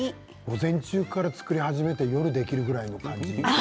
午前中から作り始めて夜できるような感じ？